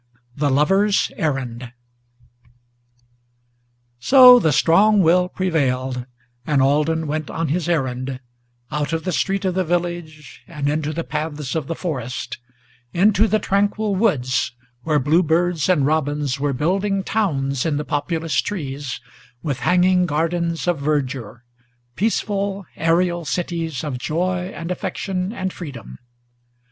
III THE LOVER'S ERRAND So the strong will prevailed, and Alden went on his errand, Out of the street of the village, and into the paths of the forest, Into the tranquil woods, where blue birds and robins were building Towns in the populous trees, with hanging gardens of verdure, Peaceful, aerial cities of joy and affection and freedom.